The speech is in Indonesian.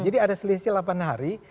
jadi ada selisih delapan hari